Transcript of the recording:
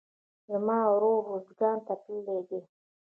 زما ورور روزګان ته تللى دئ.